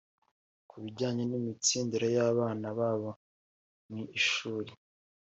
ku bijyanye n’imitsindire y’abana babo mu ishuri